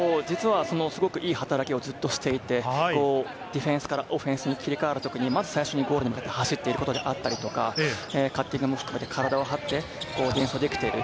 いい働きをずっとしていて、ディフェンスからオフェンスに切り替わる時に、まず最初にゴールに向かって走って行ったりとか、カッティングも含めて体を張って、オフェンス、ディフェンスできてる。